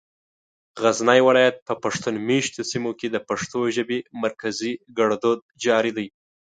غزني ولايت په پښتون مېشتو سيمو کې د پښتو ژبې مرکزي ګړدود جاري دی.